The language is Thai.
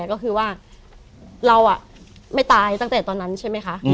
ก็คือว่าเราไม่ตายตั้งแต่ตอนนั้นใช่ไหมคะ